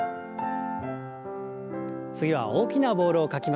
次は大きなボールを描きましょう。